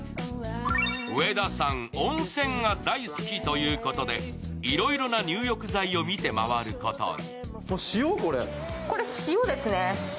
上田さん、温泉が大好きということで、いろいろな入浴剤を見て回ることに。